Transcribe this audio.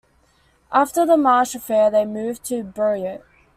After the Marash Affair they moved to Beirut.